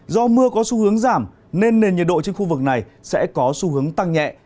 do mưa có xu hướng giảm nên nền nhiệt độ trên khu vực này sẽ có xu hướng tăng nhẹ